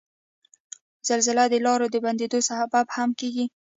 زلزله د لارو د بندیدو سبب هم کیږي.